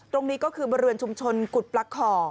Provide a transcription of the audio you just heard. ตรงนี้ก็คือบริเวณชุมชนกุฎปลาขอ